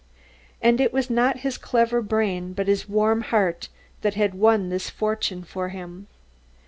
And it was not his clever brain but his warm heart that had won this fortune for him.